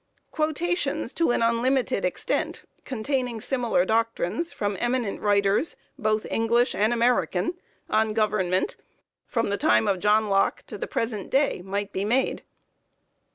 Quotations, to an unlimited extent, containing similar doctrines from eminent writers, both English and American, on government, from the time of John Locke to the present day, might be made.